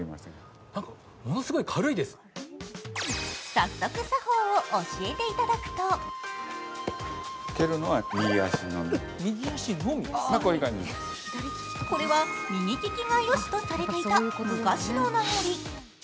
早速、作法を教えていただくとこれは右利きがよしとされていた昔の名残。